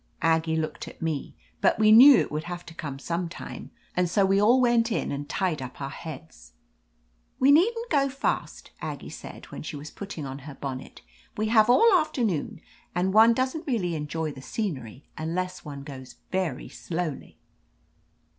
Aggie looked at me, but we knew it would have to come some time, and so we all went in and tied up our heads. "We needn't go fast," Aggie said when she was putting on her bonnet. "We have all afternoon, and one doesn't really enjoy the scenery unless one goes very slowly."